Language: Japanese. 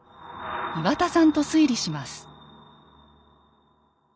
岩田さんと推理します。